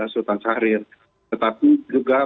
sultan syahrir tetapi juga